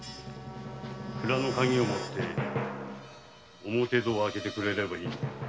蔵の鍵をもって表戸を開けてくれればいいんだ。